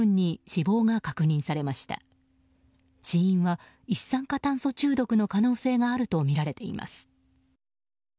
死因は一酸化炭素中毒の可能性があるとみられています。